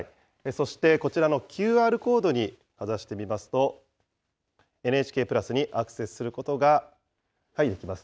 そしてこちらのＱＲコードにかざしてみますと、ＮＨＫプラスにアクセスすることができます。